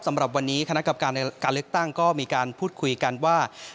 สำหรับวันนี้คณะกรรมการในการเลือกตั้งก็มีการพูดคุยกันว่า